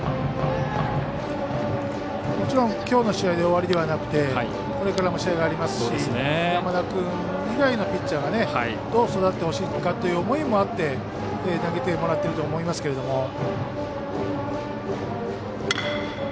もちろん、きょうの試合で終わりではなくてこれからも試合がありますし山田君以外のピッチャーがどう育ってほしいかという思いもあって投げてもらっていると思いますけども。